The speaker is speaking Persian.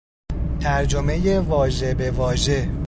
ترجمهی واژه به واژه